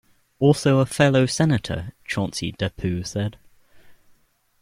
Also a fellow Senator, Chauncey Depew, said.